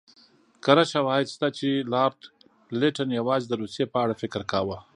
کره شواهد شته چې لارډ لیټن یوازې د روسیې په اړه فکر کاوه.